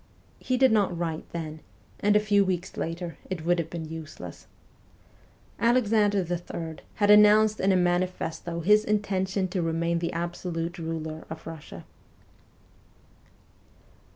He did not write then, and a few weeks later it would have been useless. Alexander III. had announced in a manifesto his intention to remain the absolute ruler of Russia.